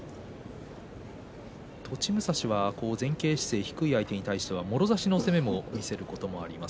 栃武蔵は前傾姿勢低い相手に対してもろ差しの攻めも見せることもあります。